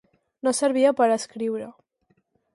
No servia per a escriure.